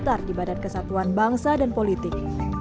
tidak terdaftar di badan kesatuan bangsa dan politik